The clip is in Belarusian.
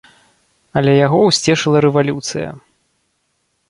Але яго ўсцешыла рэвалюцыя.